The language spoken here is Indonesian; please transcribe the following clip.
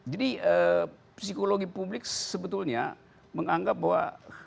jadi psikologi publik sebetulnya menganggap bahwa